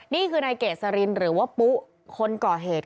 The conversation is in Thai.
นี่คือนายเกษรินหรือว่าปุ๊คนก่อเหตุ